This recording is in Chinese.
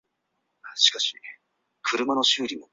本条目主要叙述古谚文在现代的使用。